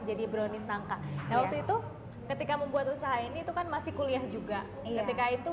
jadi brownies nangka daropa itu ketika membuat perusahaan itu kan masih kuliah juga ketika itu